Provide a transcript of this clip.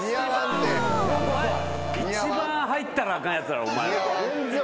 一番入ったらあかんやつらおまえら。